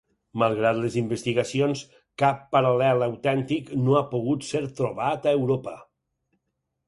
Malgrat les investigacions, cap paral·lel autèntic no ha pogut ser trobat a Europa.